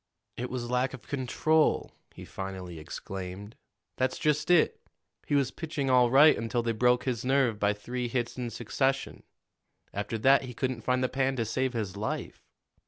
"It was lack of control," he finally exclaimed. "That's just it. He was pitching all right until they broke his nerve by three hits in succession. After that he couldn't find the pan to save his life.